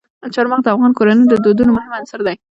چار مغز د افغان کورنیو د دودونو مهم عنصر دی.